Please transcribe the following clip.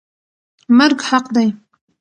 مرګ حق دی.